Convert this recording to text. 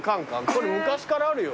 これ昔からあるよ。